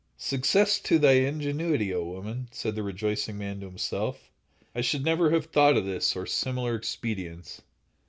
"Success to thy ingenuity, O woman!" said the rejoicing man to himself; "I should never have thought of this or similar expedients."